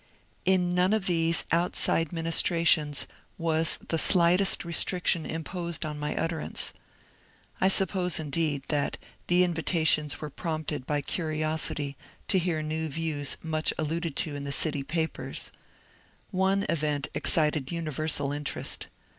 In none of these outside ministrations was the slightest restriction imposed on my utterance. I suppose, indeed, thai the invitations were prompted by; curiosity to hear new views/ much alluded to in the city papers^'One event excited univer sal interest.